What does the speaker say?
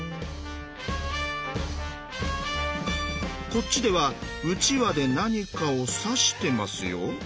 こっちではうちわで何かを指してますよ。